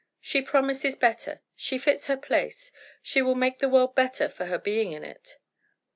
She promises better; she fits her place; she will make the world better for her being in it."